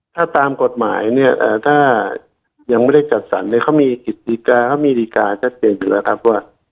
ถ้าตามกฎหมายเนี่ยถ้ายังไม่ได้จัดสรรเนี่ยเขามีศิษย์ศิลปะเขามีศิษย์ศิลปะจัดเป็นอยู่แล้วครับว่า